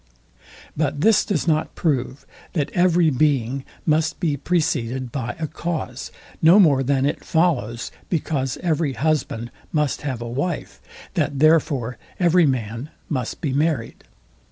But this does not prove, that every being must be preceded by a cause; no more than it follows, because every husband must have a wife, that therefore every man must be marryed.